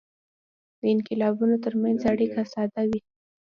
د انقلابونو ترمنځ اړیکه ساده وه.